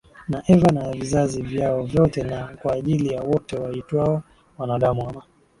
na Eva na vizazi vyao vyote na kwa ajili ya wote waitwao wanadamu ama